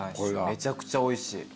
めちゃくちゃおいしい。